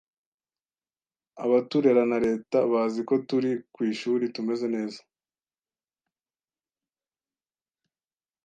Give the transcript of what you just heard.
abaturera na Leta bazi ko turi ku ishuri tumeze neza